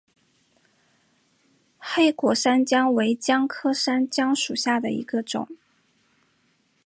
黑果山姜为姜科山姜属下的一个种。